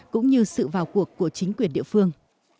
cũng như sự vào cuộc của chính quyền địa phương